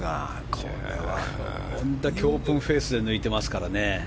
これだけオープンフェースで抜いてますからね。